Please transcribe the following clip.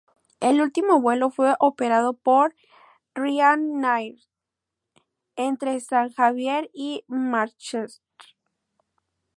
El último vuelo fue operado por Ryanair entre San Javier y Mánchester.